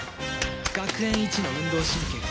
学園一の運動神経